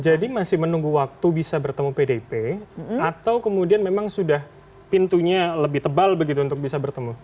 jadi masih menunggu waktu bisa bertemu pdip atau kemudian memang sudah pintunya lebih tebal begitu untuk bisa bertemu